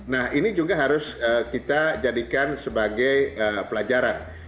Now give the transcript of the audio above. nah ini juga harus kita jadikan sebagai pelajaran